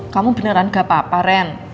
kamu beneran gak apa apa ren